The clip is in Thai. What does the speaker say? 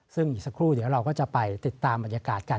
ซึ่งอีกสักครู่เดี๋ยวเราก็จะไปติดตามบรรยากาศกัน